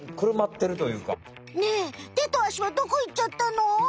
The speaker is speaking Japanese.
ねえ手とあしはどこいっちゃったの？